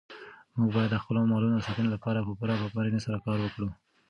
موږ باید د خپلو مالونو د ساتنې لپاره په پوره پاملرنې سره کار وکړو.